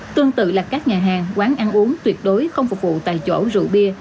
tương tự là các nhà hàng quán ăn uống tuyệt đối không phục vụ tại chỗ rượu bia